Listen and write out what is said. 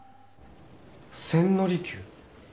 千利休。